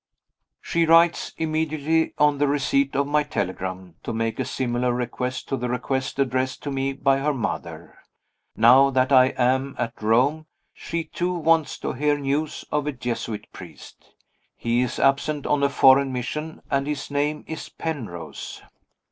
She writes (immediately on the receipt of my telegram) to make a similar request to the request addressed to me by her mother. Now that I am at Rome, she too wants to hear news of a Jesuit priest. He is absent on a foreign mission, and his name is Penrose.